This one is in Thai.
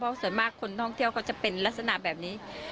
เพราะส่วนมากคนท่องเที่ยวก็จะเป็นลักษณะแบบนี้